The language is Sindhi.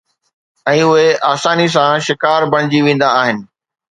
۽ اهي آساني سان شڪار بڻجي ويندا آهن.